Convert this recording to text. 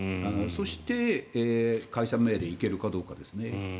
そして解散命令に行けるかどうかですね。